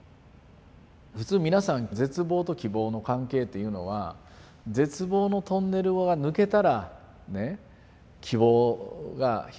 普通皆さん絶望と希望の関係っていうのは絶望のトンネルを抜けたら希望が広がる。